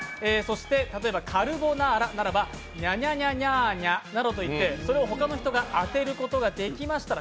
例えば、カルボナーラならニャニャニャニャーニャと言ってそれを他の人が当てることができましたら